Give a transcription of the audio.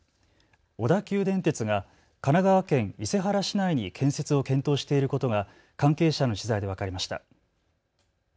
小田急電鉄が神奈川県伊勢原市内に建設を検討していることが関係者への取材で分かりました。